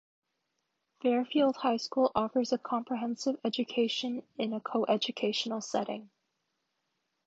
Fairfield High School offers a comprehensive education in a coeducational setting.